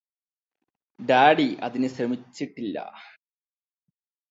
daddy അതിന് ശ്രമിച്ചിട്ടില്ല